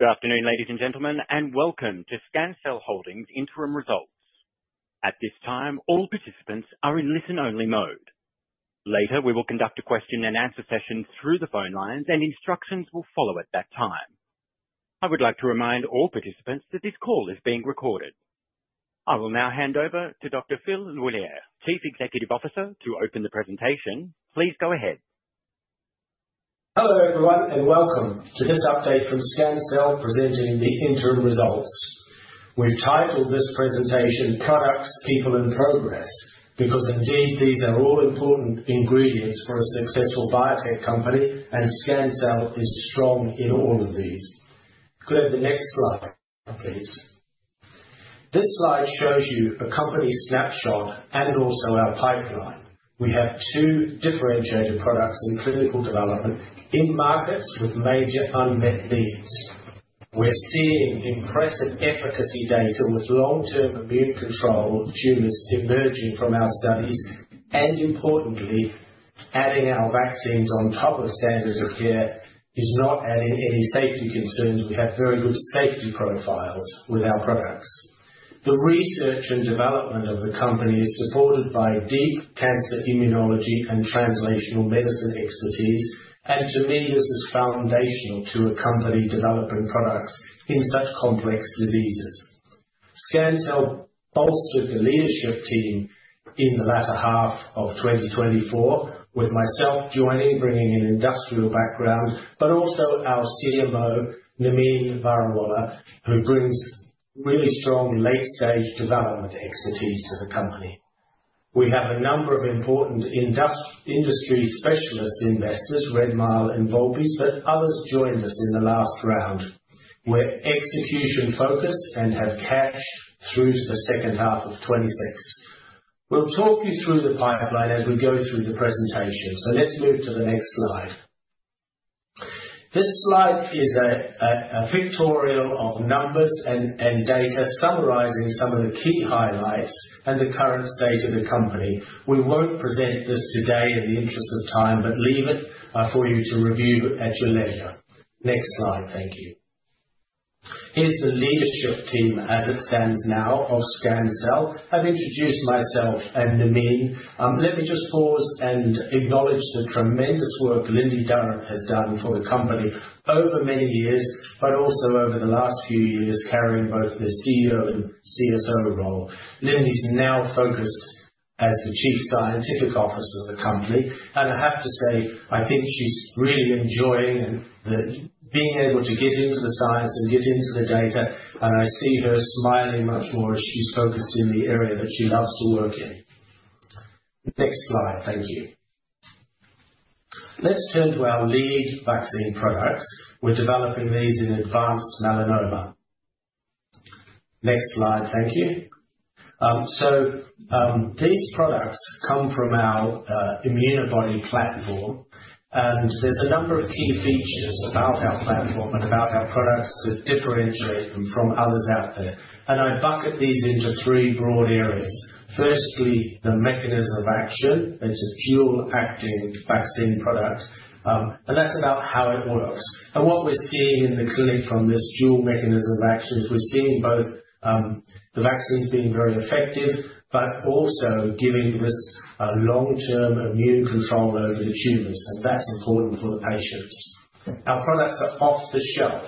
Good afternoon, ladies and gentlemen, and welcome to Scancell Holdings Interim Results. At this time, all participants are in listen-only mode. Later, we will conduct a question and answer session through the phone lines, and instructions will follow at that time. I would like to remind all participants that this call is being recorded. I will now hand over to Dr. Phil L'Huillier, Chief Executive Officer, to open the presentation. Please go ahead. Hello, everyone, and welcome to this update from Scancell presenting the interim results. We've titled this presentation Products, People and Progress because indeed these are all important ingredients for a successful biotech company and Scancell is strong in all of these. Could I have the next slide, please? This slide shows you a company snapshot and also our pipeline. We have two differentiated products in clinical development in markets with major unmet needs. We're seeing impressive efficacy data with long-term immune control of tumors emerging from our studies and importantly, adding our vaccines on top of standard of care is not adding any safety concerns. We have very good safety profiles with our products. The research and development of the company is supported by deep cancer immunology and translational medicine expertise, and to me, this is foundational to a company developing products in such complex diseases. Scancell bolstered the leadership team in the latter half of 2024 with myself joining, bringing an industrial background, but also our CMO, Nermeen Varawalla, who brings really strong late-stage development expertise to the company. We have a number of important industry specialist investors, Redmile and Vulpes, but others joined us in the last round. We're execution-focused and have cash through to the second half of 2026. We'll talk you through the pipeline as we go through the presentation, so let's move to the next slide. This slide is a pictorial of numbers and data summarizing some of the key highlights and the current state of the company. We won't present this today in the interest of time, but leave it for you to review at your leisure. Next slide, thank you. Here's the leadership team as it stands now of Scancell. I've introduced myself and Nermeen. Let me just pause and acknowledge the tremendous work Lindy Durrant has done for the company over many years, but also over the last few years, carrying both the CEO and CSO role. Lindy's now focused as the Chief Scientific Officer of the company, and I have to say, I think she's really enjoying the being able to get into the science and get into the data, and I see her smiling much more as she's focused in the area that she loves to work in. Next slide, thank you. Let's turn to our lead vaccine products. We're developing these in advanced melanoma. Next slide, thank you. These products come from our ImmunoBody platform, and there's a number of key features about our platform and about our products that differentiate them from others out there. I bucket these into three broad areas. Firstly, the mechanism of action. It's a dual-acting vaccine product. That's about how it works. What we're seeing in the clinic from this dual mechanism of action is we're seeing both the vaccines being very effective, but also giving this long-term immune control over the tumors, and that's important for the patients. Our products are off-the-shelf,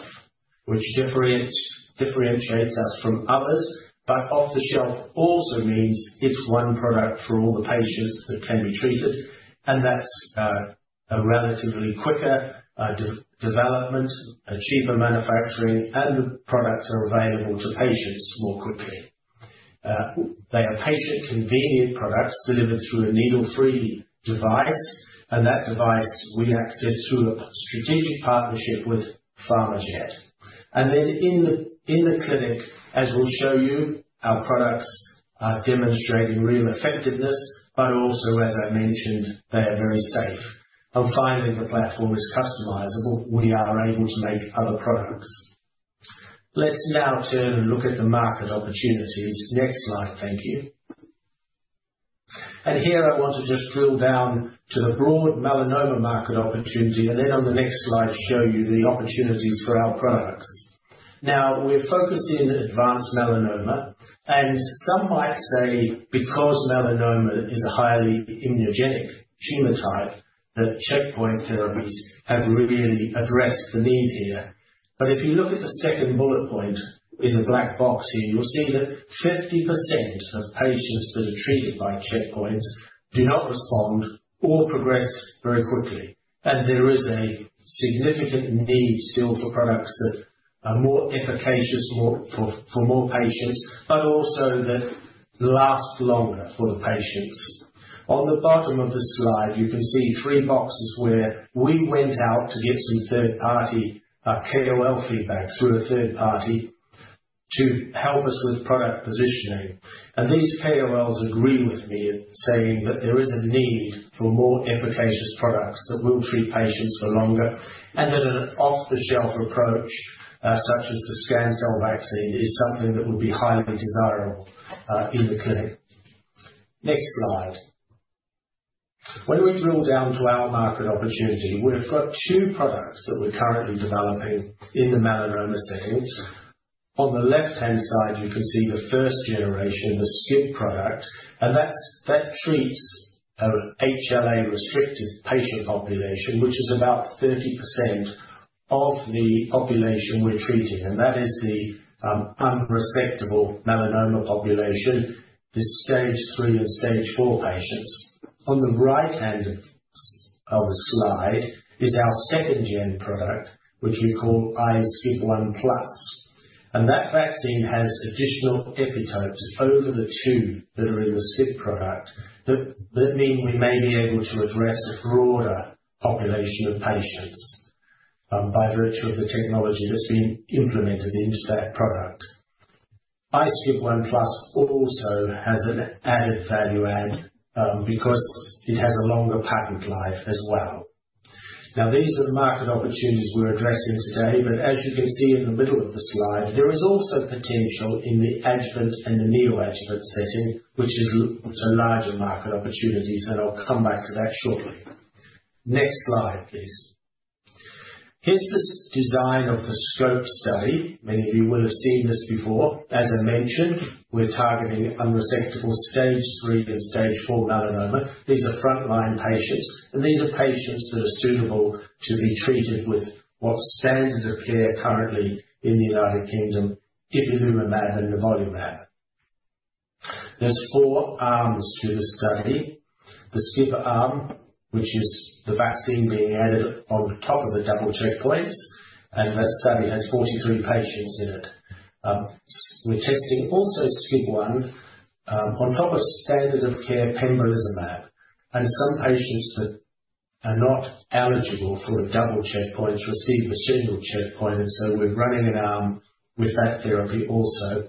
which differentiates us from others, but off-the-shelf also means it's one product for all the patients that can be treated and that's a relatively quicker development, a cheaper manufacturing and the products are available to patients more quickly. They are patient-convenient products delivered through a needle-free device. That device we access through a strategic partnership with PharmaJet. In the clinic, as we'll show you, our products are demonstrating real effectiveness, but also as I mentioned, they are very safe. Finally, the platform is customizable. We are able to make other products. Let's now turn and look at the market opportunities. Next slide. Thank you. Here I want to just drill down to the broad melanoma market opportunity, and then on the next slide, show you the opportunities for our products. Now, we're focused in advanced melanoma, and some might say, because melanoma is a highly immunogenic tumor type, that checkpoint therapies have really addressed the need here. If you look at the second bullet point in the black box here, you'll see that 50% of patients that are treated by checkpoints do not respond or progress very quickly. There is a significant need still for products that are more efficacious for more patients, but also that last longer for the patients. On the bottom of the slide, you can see three boxes where we went out to get some third-party KOL feedback through a third party to help us with product positioning. These KOLs agree with me in saying that there is a need for more efficacious products that will treat patients for longer, and that an off-the-shelf approach such as the Scancell vaccine is something that would be highly desirable in the clinic. Next slide. When we drill down to our market opportunity, we've got two products that we're currently developing in the melanoma setting. On the left-hand side, you can see the first generation, the SCIB1 product, and that treats a HLA-restricted patient population, which is about 30% of the population we're treating. That is the unresectable melanoma population, the stage 3 and stage 4 patients. On the right-hand side of the slide is our second-gen product, which we call iSCIB1+. That vaccine has additional epitopes over the two that are in the SCIB1 product that mean we may be able to address a broader population of patients by virtue of the technology that's been implemented into that product. iSCIB1+ also has an added value add because it has a longer patent life as well. Now, these are the market opportunities we're addressing today, but as you can see in the middle of the slide, there is also potential in the adjuvant and the neoadjuvant setting, which it's a larger market opportunity, and I'll come back to that shortly. Next slide, please. Here's the design of the SCOPE study. Many of you will have seen this before. As I mentioned, we're targeting unresectable stage 3 and stage 4 melanoma. These are front-line patients, and these are patients that are suitable to be treated with what standard of care currently in the United Kingdom, ipilimumab and nivolumab. There's four arms to the study. The SCIB arm, which is the vaccine being added on top of the double checkpoints, and that study has 43 patients in it. We're testing SCIB1 also on top of standard of care pembrolizumab, and some patients that are not eligible for the double checkpoints receive the single checkpoint. We're running an arm with that therapy also.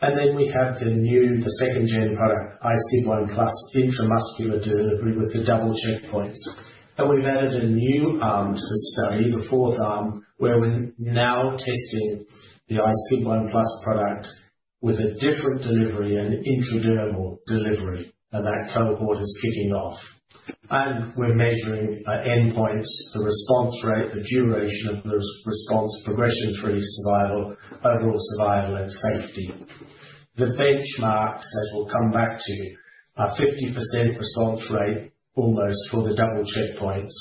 We have the new, the second gen product, iSCIB1+ intramuscular delivery with the double checkpoints. We've added a new arm to the study, the fourth arm, where we're now testing the iSCIB1+ product with a different delivery, an intradermal delivery, and that cohort is kicking off. We're measuring endpoints, the response rate, the duration of the response, progression-free survival, overall survival and safety. The benchmarks, as we'll come back to, are 50% response rate almost for the double checkpoints.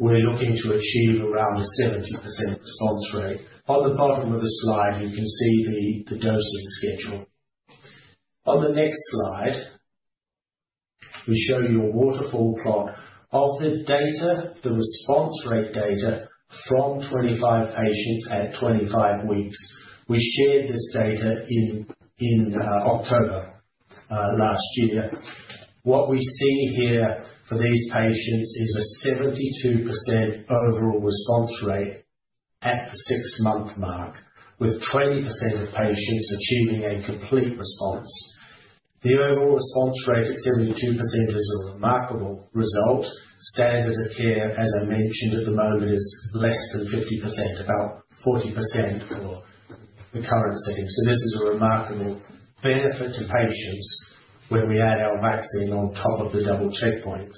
We're looking to achieve around a 70% response rate. On the bottom of the slide, you can see the dosing schedule. On the next slide, we show you a waterfall plot of the data, the response rate data from 25 patients at 25 weeks. We shared this data in October last year. What we see here for these patients is a 72% overall response rate at the six-month mark, with 20% of patients achieving a complete response. The overall response rate at 72% is a remarkable result. Standard of care, as I mentioned at the moment, is less than 50%, about 40% for the current setting. So this is a remarkable benefit to patients when we add our vaccine on top of the double checkpoints.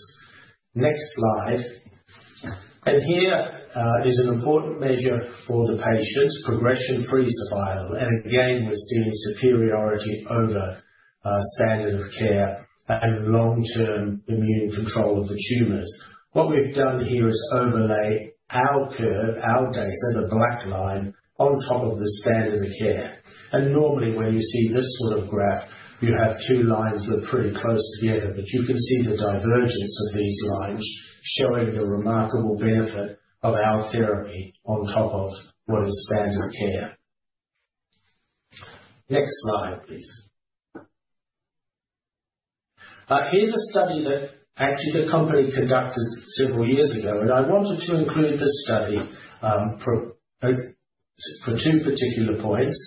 Next slide. Here is an important measure for the patients, progression-free survival. Again, we're seeing superiority over standard of care and long-term immune control of the tumors. What we've done here is overlay our curve, our data, the black line on top of the standard of care. Normally, when you see this sort of graph, you have two lines that are pretty close together, but you can see the divergence of these lines showing the remarkable benefit of our therapy on top of what is standard care. Next slide, please. Here's a study that actually the company conducted several years ago, and I wanted to include this study for two particular points.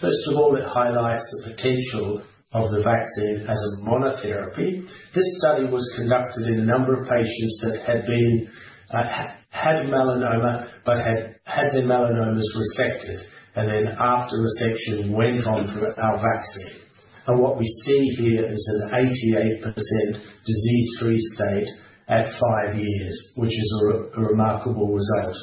First of all, it highlights the potential of the vaccine as a monotherapy. This study was conducted in a number of patients that had melanoma but had their melanomas resected, and then after resection, went on for our vaccine. What we see here is an 88% disease-free state at five years, which is a remarkable result.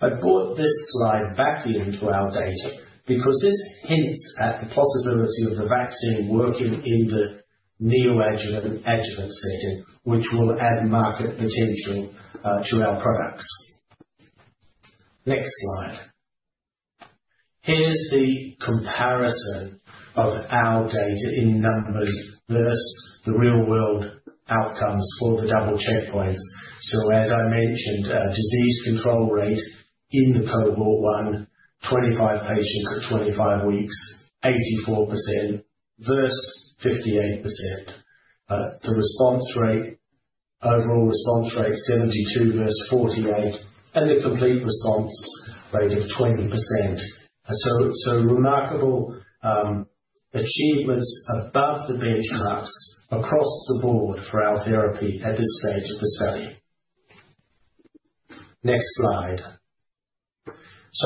I brought this slide back into our data because this hints at the possibility of the vaccine working in the neoadjuvant-adjuvant setting, which will add market potential to our products. Next slide. Here's the comparison of our data in numbers versus the real-world outcomes for the double checkpoints. As I mentioned, disease control rate in the cohort one, 25 patients at 25 weeks, 84% versus 58%. The response rate. Overall response rate 72% versus 48%, and the complete response rate of 20%. Remarkable achievements above the benchmarks across the board for our therapy at this stage of the study. Next slide.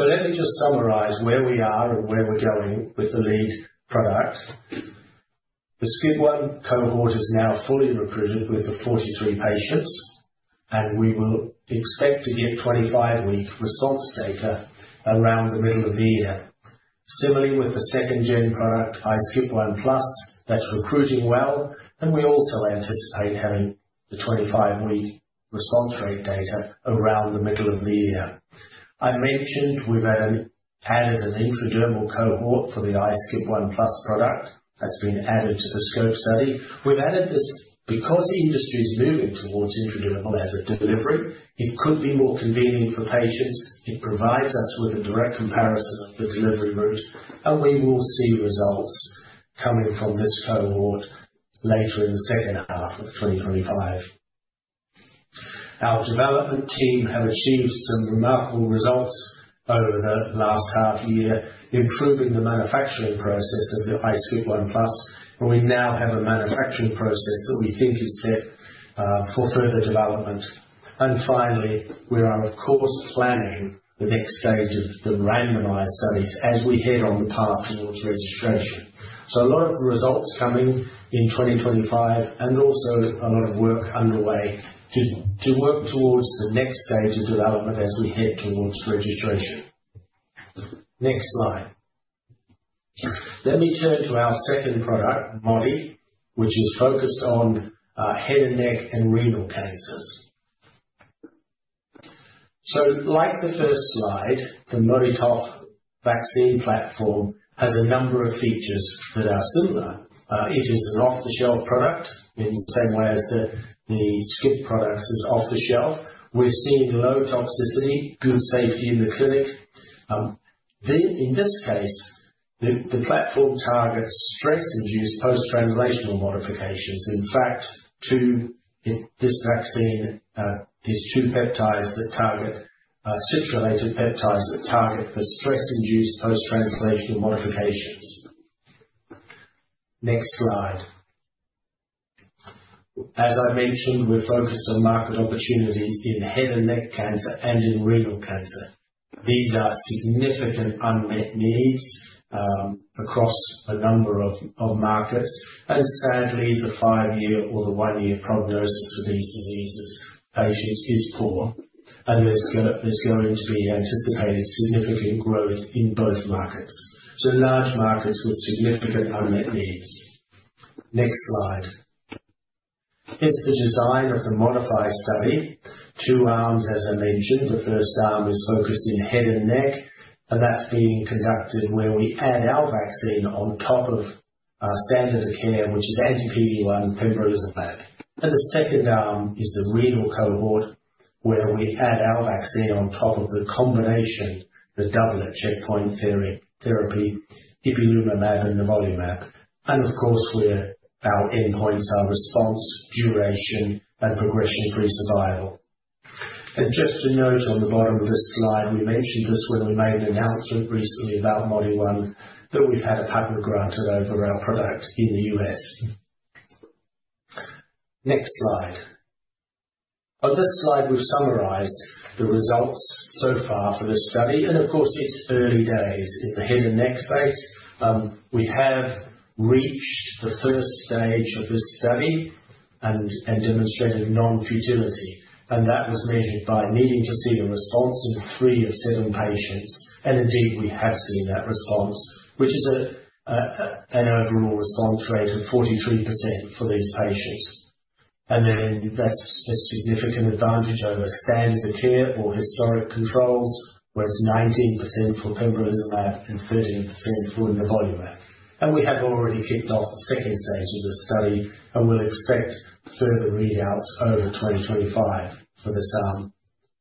Let me just summarize where we are and where we're going with the lead product. The SCIB1 cohort is now fully recruited with the 43 patients, and we will expect to get 25-week response data around the middle of the year. Similarly, with the second-gen product, iSCIB1+, that's recruiting well, and we also anticipate having the 25-week response rate data around the middle of the year. I mentioned we've added an intradermal cohort for the iSCIB1+ product that's been added to the SCOPE study. We've added this because the industry is moving towards intradermal as a delivery. It could be more convenient for patients. It provides us with a direct comparison of the delivery route, and we will see results coming from this cohort later in the second half of 2025. Our development team have achieved some remarkable results over the last half year, improving the manufacturing process of the iSCIB1+, and we now have a manufacturing process that we think is set for further development. Finally, we are of course planning the next stage of the randomized studies as we head on the path towards registration. A lot of the results coming in 2025 and also a lot of work underway to work towards the next stage of development as we head towards registration. Next slide. Let me turn to our second product, Modi-1, which is focused on head and neck and renal cancers. Like the first slide, the Moditope vaccine platform has a number of features that are similar. It is an off-the-shelf product in the same way as the SCIB products is off the shelf. We're seeing low toxicity, good safety in the clinic. In this case, the platform targets stress-induced post-translational modifications. In fact, this vaccine is two peptides that target citrullinated peptides that target the stress-induced post-translational modifications. Next slide. As I mentioned, we're focused on market opportunities in head and neck cancer and in renal cancer. These are significant unmet needs across a number of markets. Sadly, the five-year or the one-year prognosis for these diseases patients is poor. There's going to be anticipated significant growth in both markets. Large markets with significant unmet needs. Next slide. It's the design of the Modi-1 study. Two arms as I mentioned. The first arm is focused in head and neck, and that's being conducted where we add our vaccine on top of standard of care, which is anti-PD-1 pembrolizumab. The second arm is the renal cohort, where we add our vaccine on top of the combination, the double checkpoint therapy, ipilimumab and nivolumab. Of course, our endpoints are response, duration, and progression-free survival. Just to note on the bottom of this slide, we mentioned this when we made an announcement recently about Modi-1, that we've had a patent granted over our product in the U.S. Next slide. On this slide, we've summarized the results so far for this study, and of course, it's early days. In the head and neck space, we have reached the first stage of this study and demonstrated non-futility. That was measured by needing to see a response in three of seven patients. Indeed, we have seen that response, which is an overall response rate of 43% for these patients. That's a significant advantage over standard of care or historic controls, where it's 19% for pembrolizumab and 13% for nivolumab. We have already kicked off the second stage of the study, and we'll expect further readouts over 2025 for this arm,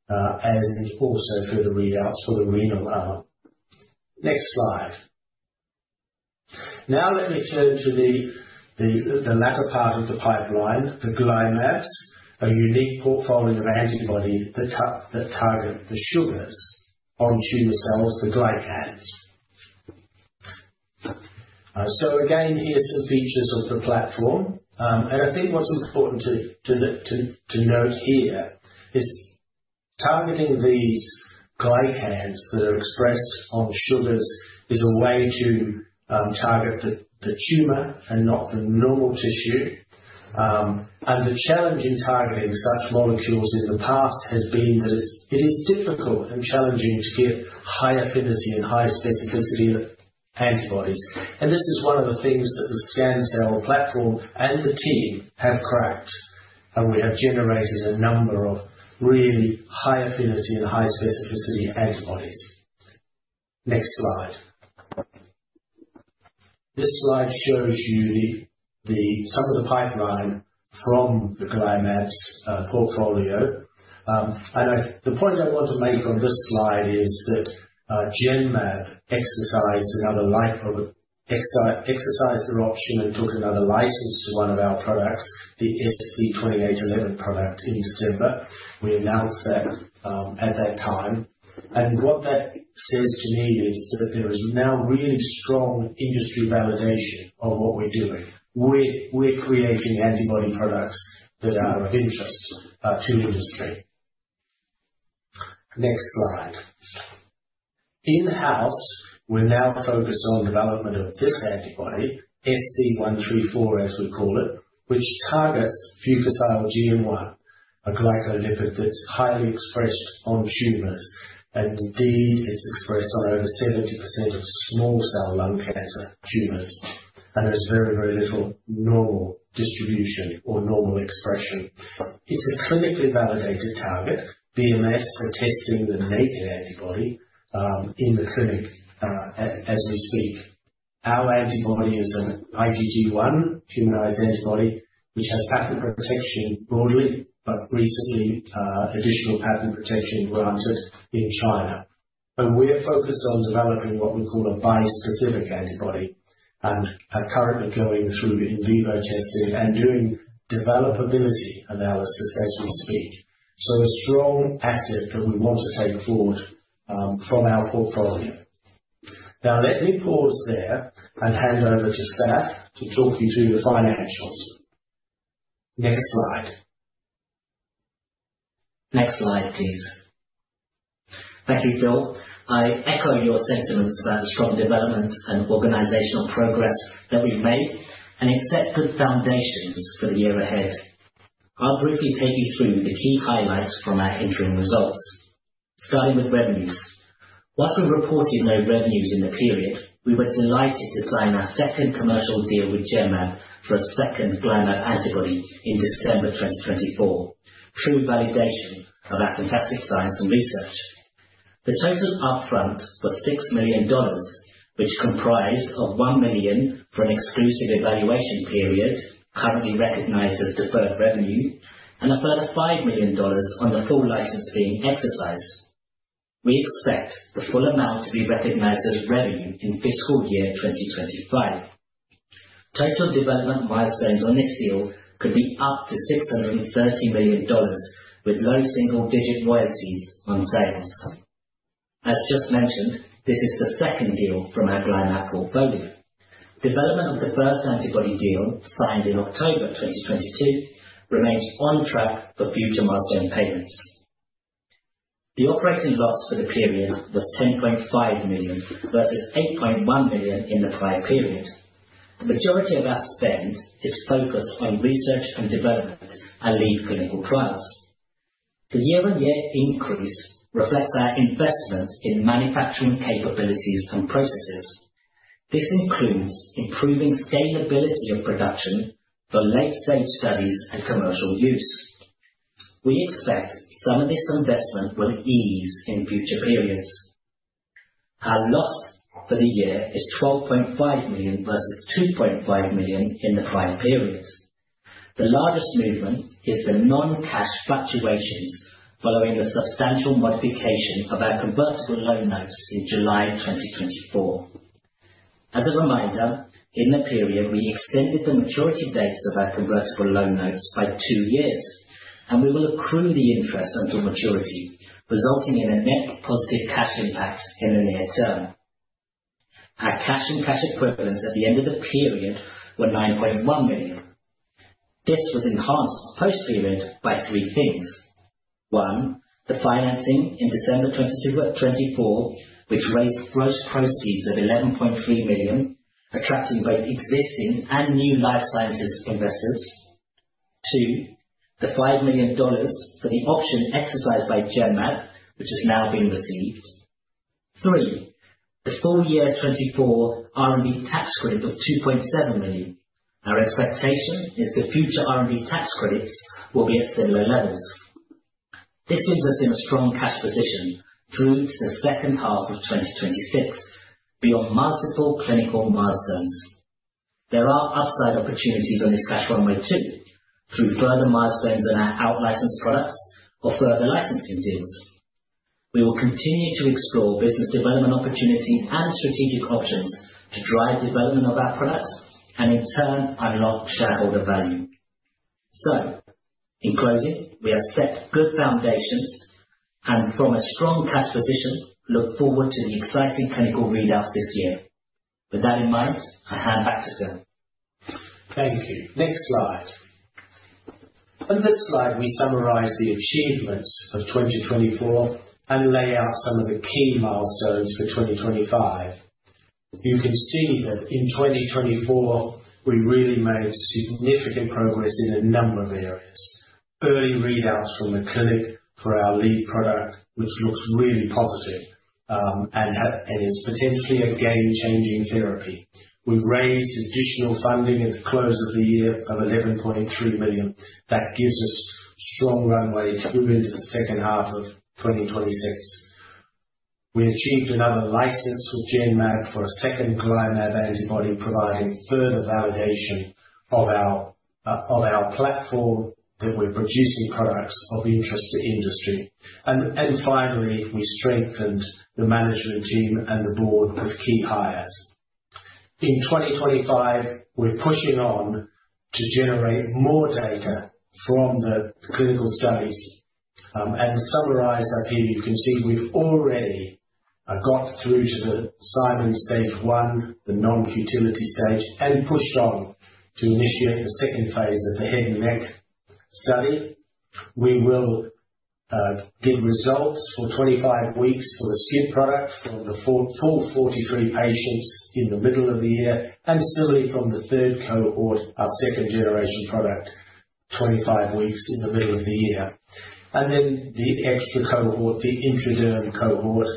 and also further readouts for the renal arm. Next slide. Now let me turn to the latter part of the pipeline, the GlyMab, a unique portfolio of antibody that target the sugars on tumor cells, the glycans. Again, here are some features of the platform. I think what's important to note here is targeting these glycans that are expressed on sugars is a way to target the tumor and not the normal tissue. The challenge in targeting such molecules in the past has been that it's—it is difficult and challenging to get high affinity and high specificity of antibodies. This is one of the things that the Scancell platform and the team have cracked. We have generated a number of really high affinity and high specificity antibodies. Next slide. This slide shows you some of the pipeline from the GlyMab portfolio. The point I want to make on this slide is that Genmab exercised their option and took another license to one of our products, the SC2811 product, in December. We announced that at that time. What that says to me is that there is now really strong industry validation of what we're doing. We're creating antibody products that are of interest to industry. Next slide. In-house, we're now focused on development of this antibody, SC134 as we call it, which targets Fucosyl-GM1, a glycolipid that's highly expressed on tumors, and indeed it's expressed on over 70% of small cell lung cancer tumors. There's very little normal distribution or normal expression. It's a clinically validated target. BMS are testing the naked antibody in the clinic as we speak. Our antibody is an IgG1 humanized antibody which has patent protection broadly, but recently additional patent protection granted in China. We're focused on developing what we call a bispecific antibody and are currently going through in vivo testing and doing developability analysis as we speak. A strong asset that we want to take forward from our portfolio. Now, let me pause there and hand over to Sath to talk you through the financials. Next slide. Next slide, please. Thank you, Phil. I echo your sentiments about the strong development and organizational progress that we've made and lay the foundations for the year ahead. I'll briefly take you through the key highlights from our interim results. Starting with revenues. While we reported no revenues in the period, we were delighted to sign our second commercial deal with Genmab for a second GlyMab antibody in December 2024. True validation of our fantastic science and research. The total upfront was $6 million, which comprised of $1 million for an exclusive evaluation period, currently recognized as deferred revenue, and a further $5 million on the full license being exercised. We expect the full amount to be recognized as revenue in fiscal year 2025. Total development milestones on this deal could be up to $630 million with low single-digit royalties on sales. As just mentioned, this is the second deal from our GlyMab portfolio. Development of the first antibody deal signed in October 2022 remains on track for future milestone payments. The operating loss for the period was $10.5 million versus $8.1 million in the prior period. The majority of our spend is focused on research and development and lead clinical trials. The year-on-year increase reflects our investment in manufacturing capabilities and processes. This includes improving scalability of production for late-stage studies and commercial use. We expect some of this investment will ease in future periods. Our loss for the year is $12.5 million versus $2.5 million in the prior period. The largest movement is the non-cash fluctuations following the substantial modification of our convertible loan notes in July 2024. As a reminder, in the period we extended the maturity dates of our convertible loan notes by two years, and we will accrue the interest until maturity, resulting in a net positive cash impact in the near term. Our cash and cash equivalents at the end of the period were $9.1 million. This was enhanced post-period by three things. One, the financing in December 2024, which raised gross proceeds of $11.3 million, attracting both existing and new life sciences investors. Two, the $5 million for the option exercised by Genmab, which has now been received. Three, the full year 2024 R&D tax credit of $2.7 million. Our expectation is that future R&D tax credits will be at similar levels. This leaves us in a strong cash position through to the second half of 2026, beyond multiple clinical milestones. There are upside opportunities on this cash runway too, through further milestones on our out-licensed products or further licensing deals. We will continue to explore business development opportunities and strategic options to drive development of our products and in turn unlock shareholder value. In closing, we have set good foundations and from a strong cash position, look forward to the exciting clinical readouts this year. With that in mind, I hand back to Phil. Thank you. Next slide. On this slide, we summarize the achievements of 2024 and lay out some of the key milestones for 2025. You can see that in 2024, we really made significant progress in a number of areas. Early readouts from the clinic for our lead product, which looks really positive and is potentially a game-changing therapy. We've raised additional funding at the close of the year of $11.3 million. That gives us strong runway through into the second half of 2026. We achieved another license with Genmab for a second GlyMab antibody, providing further validation of our platform that we're producing products of interest to industry. Finally, we strengthened the management team and the board with key hires. In 2025, we're pushing on to generate more data from the clinical studies. Summarized up here, you can see we've already got through to the Simon's stage 1, the non-futility stage, and pushed on to initiate the second phase of the head and neck study. We will get results for 25 weeks for the SCIB1 product from the full 43 patients in the middle of the year, and similarly from the third cohort, our second generation product, 25 weeks in the middle of the year. Then the extra cohort, the intradermal cohort,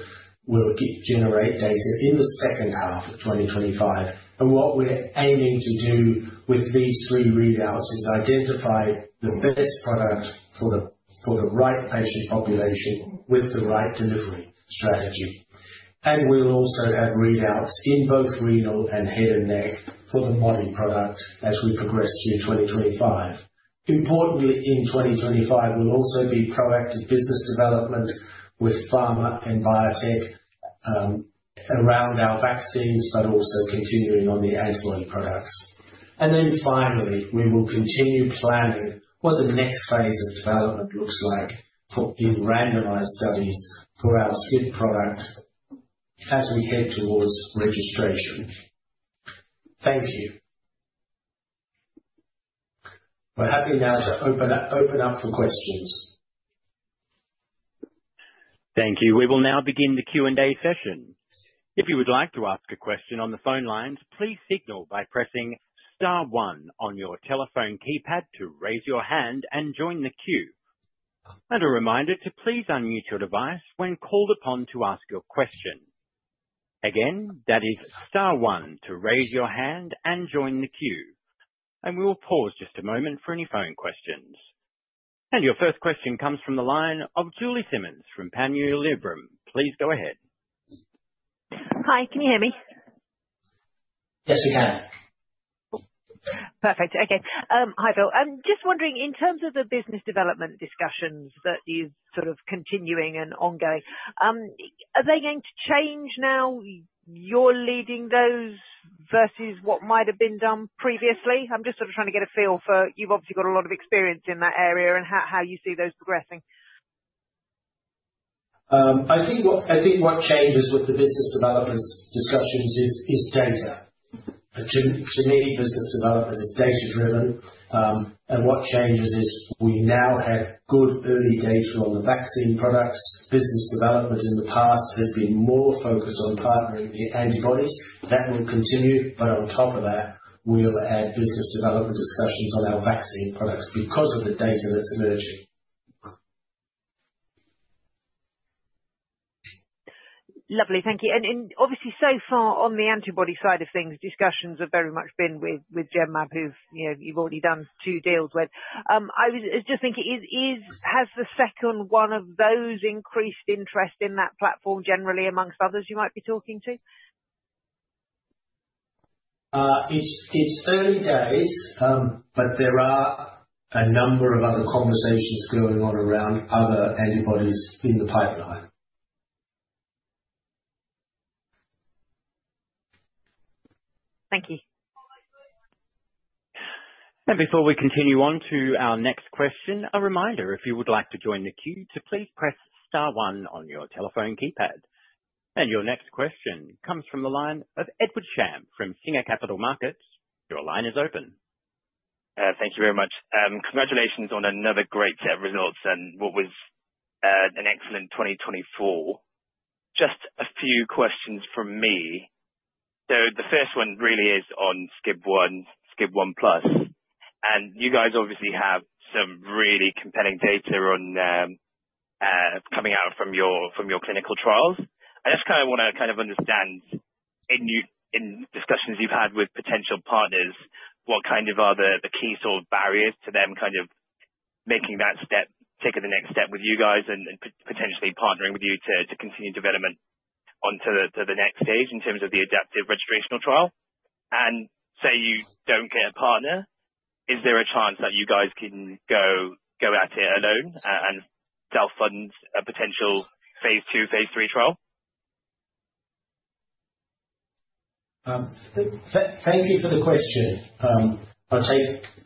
will generate data in the second half of 2025. What we're aiming to do with these three readouts is identify the best product for the right patient population with the right delivery strategy. We'll also have readouts in both renal and head and neck for the Modi-1 product as we progress through 2025. Importantly, in 2025, we'll also be proactive business development with pharma and biotech around our vaccines, but also continuing on the antibody products. Finally, we will continue planning what the next phase of development looks like for in randomized studies for our SCIB1 product as we head towards registration. Thank you. We're happy now to open up for questions. Thank you. We will now begin the Q&A session. If you would like to ask a question on the phone lines, please signal by pressing star one on your telephone keypad to raise your hand and join the queue. A reminder to please unmute your device when called upon to ask your question. Again, that is star one to raise your hand and join the queue. We will pause just a moment for any phone questions. Your first question comes from the line of Julie Simmonds from Panmure Liberum. Please go ahead. Hi. Can you hear me? Yes, we can. Perfect. Okay. Hi, Phil. I'm just wondering, in terms of the business development discussions that you're sort of continuing and ongoing, are they going to change now you're leading those versus what might have been done previously? I'm just sort of trying to get a feel for. You've obviously got a lot of experience in that area and how you see those progressing? I think what changes with the business development discussions is data. To me, business development is data driven. What changes is that we now have good early data on the vaccine products. Business development in the past has been more focused on partnering the antibodies. That will continue, but on top of that, we'll add business development discussions on our vaccine products because of the data that's emerging. Lovely. Thank you. Obviously so far on the antibody side of things, discussions have very much been with Genmab, who's, you know, you've already done two deals with. I just think, has the second one of those increased interest in that platform generally among others you might be talking to? It's early days, but there are a number of other conversations going on around other antibodies in the pipeline. Thank you. Before we continue on to our next question, a reminder, if you would like to join the queue, to please press star one on your telephone keypad. Your next question comes from the line of Edward Sham from Singer Capital Markets. Your line is open. Thank you very much. Congratulations on another great set of results and what was an excellent 2024. Just a few questions from me. The first one really is on SCIB1, iSCIB1+. You guys obviously have some really compelling data coming out from your clinical trials. I just kinda wanna understand, in discussions you've had with potential partners, what kind of are the key sort of barriers to them kind of making that step, taking the next step with you guys and potentially partnering with you to continue development to the next stage in terms of the adaptive registrational trial? Say you don't get a partner, is there a chance that you guys can go at it alone and self-fund a potential phase II, phase III trial? Thank you for the question. I'll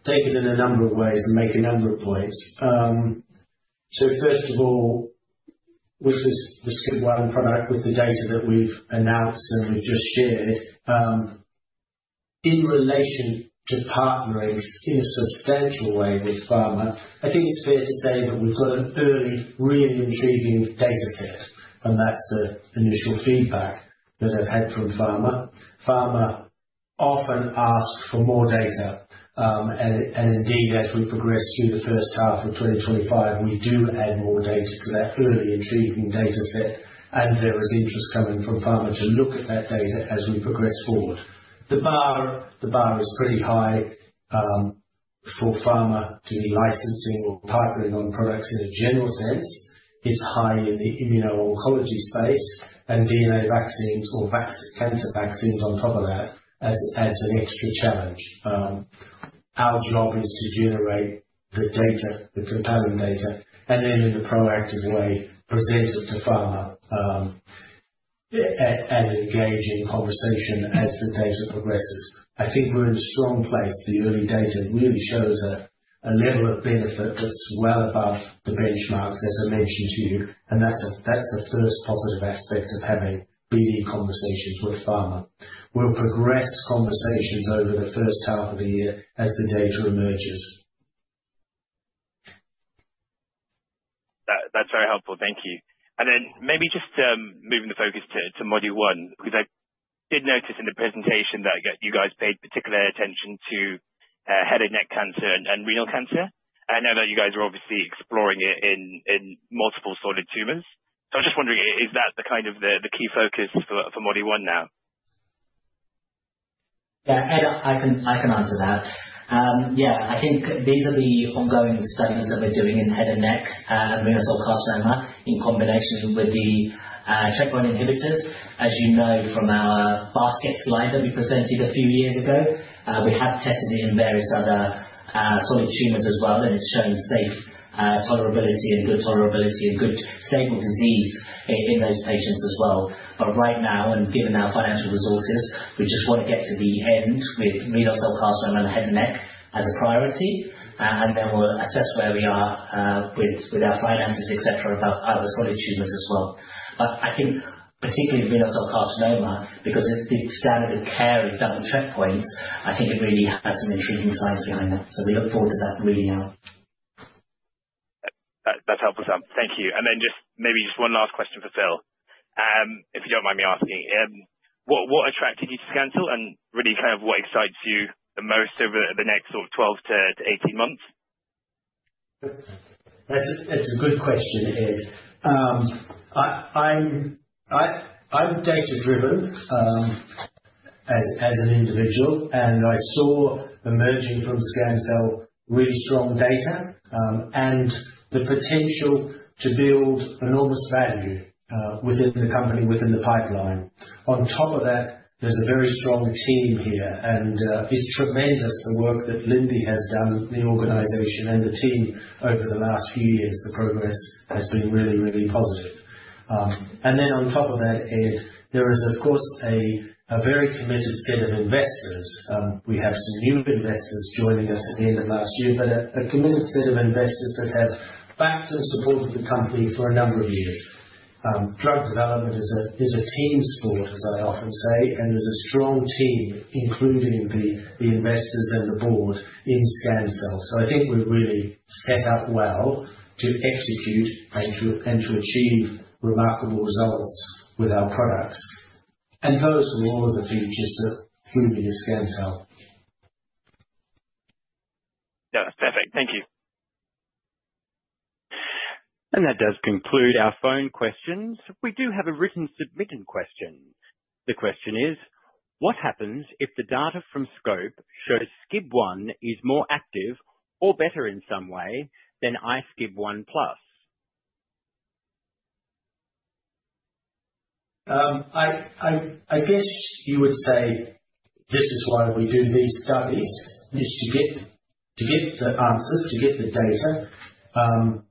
take it in a number of ways and make a number of points. First of all, with the SCIB1 product, with the data that we've announced and we've just shared, in relation to partnering in a substantial way with pharma, I think it's fair to say that we've got an early, really intriguing data set, and that's the initial feedback that I've had from pharma. Pharma often asks for more data, and indeed, as we progress through the first half of 2025, we do add more data to that early intriguing data set, and there is interest coming from pharma to look at that data as we progress forward. The bar is pretty high, for pharma to be licensing or partnering on products in a general sense. It's high in the immuno-oncology space and DNA vaccines or cancer vaccines on top of that adds an extra challenge. Our job is to generate the data, the compelling data, and then in a proactive way, present it to pharma and engage in conversation as the data progresses. I think we're in a strong place. The early data really shows a level of benefit that's well above the benchmarks, as I mentioned to you. That's the first positive aspect of having BD conversations with pharma. We'll progress conversations over the first half of the year as the data emerges. That's very helpful. Thank you. Maybe just moving the focus to Modi-1, because I did notice in the presentation that you guys paid particular attention to head and neck cancer and renal cancer. I know that you guys are obviously exploring it in multiple solid tumors. I'm just wondering, is that the kind of the key focus for Modi-1 now? Yeah. Ed, I can answer that. Yeah. I think these are the ongoing studies that we're doing in head and neck and renal cell carcinoma in combination with the checkpoint inhibitors. As you know from our basket slide that we presented a few years ago, we have tested in various other solid tumors as well, and it's shown safe tolerability and good stable disease in those patients as well. Right now, given our financial resources, we just wanna get to the end with renal cell carcinoma and head and neck as a priority. We'll assess where we are with our finances, et cetera, about other solid tumors as well. I think particularly renal cell carcinoma, because if the standard of care is double checkpoints, I think it really has some intriguing science behind that. We look forward to that reading out. That's helpful, Sam. Thank you. Then just maybe just one last question for Phil, if you don't mind me asking. What attracted you to Scancell and really kind of what excites you the most over the next sort of 12 months-18 months? That's a good question, Ed. I'm data driven as an individual, and I saw emerging from Scancell really strong data and the potential to build enormous value within the company, within the pipeline. On top of that, there's a very strong team here, and it's tremendous the work that Lindy has done in the organization and the team over the last few years. The progress has been really positive. On top of that, Ed, there is of course a very committed set of investors. We have some new investors joining us at the end of last year, but a committed set of investors that have backed and supported the company for a number of years. Drug development is a team sport, as I often say, and there's a strong team, including the investors and the board in Scancell. I think we're really set up well to execute and to achieve remarkable results with our products. Those were all of the features that drew me to Scancell. Yeah. Perfect. Thank you. That does conclude our phone questions. We do have a written submitted question. The question is, what happens if the data from SCOPE shows SCIB1 is more active or better in some way than iSCIB1+? I guess you would say this is why we do these studies, is to get the answers, to get the data.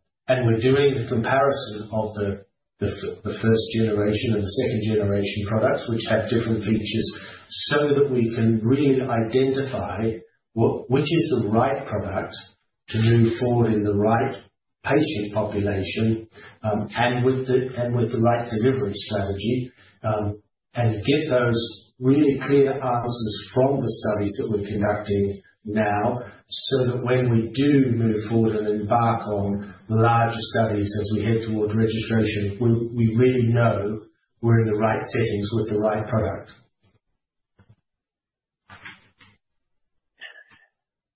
We're doing a comparison of the first generation and the second generation products which have different features, so that we can really identify which is the right product to move forward in the right patient population, and with the right delivery strategy. To get those really clear answers from the studies that we're conducting now so that when we do move forward and embark on larger studies as we head towards registration, we really know we're in the right settings with the right product.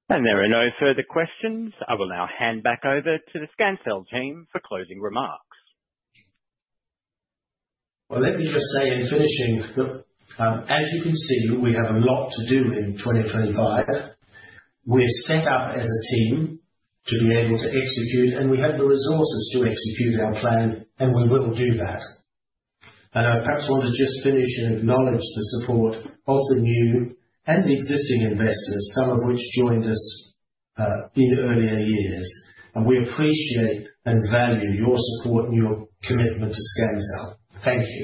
There are no further questions. I will now hand back over to the Scancell team for closing remarks. Well, let me just say in finishing, look, as you can see, we have a lot to do in 2025. We're set up as a team to be able to execute, and we have the resources to execute our plan, and we will do that. I perhaps want to just finish and acknowledge the support of the new and existing investors, some of which joined us, in earlier years. We appreciate and value your support and your commitment to Scancell. Thank you.